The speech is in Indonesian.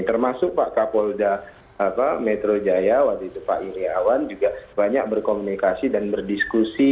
termasuk pak kapolda metro jaya waktu itu pak iryawan juga banyak berkomunikasi dan berdiskusi